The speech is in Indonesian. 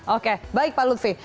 oke baik pak lutfi